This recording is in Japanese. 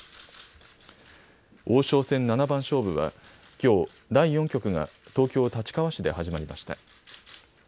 王将戦七番勝負はきょう第４局が東京立川市で始まりました。